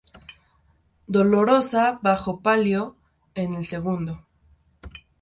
Dolorosa bajo palio en el segundo.